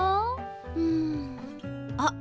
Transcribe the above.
うん。あっ！